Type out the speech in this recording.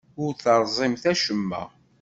Ur terẓimt acemma.